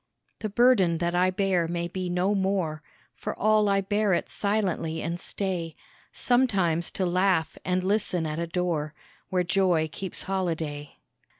The burden that I bear may be no more For all I bear it silently and stay Sometimes to laugh and listen at a door Where joy keeps holiday.